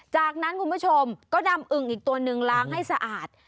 จากนั้นคุณผู้ชมก็นำอึ่งอีกตัวหนึ่งล้างให้สะอาด